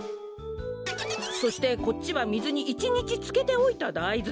そしてこっちはみずに１にちつけておいただいずです。